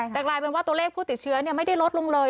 แต่กลายเป็นว่าตัวเลขผู้ติดเชื้อไม่ได้ลดลงเลย